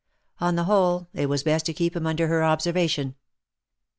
On the whole, it was best to keep him under her observation.